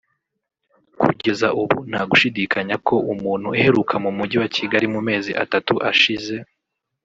Kugeza ubu ntagushidikanya ko umuntu uheruka mu Mujyi wa Kigali mu mezi atatu ashize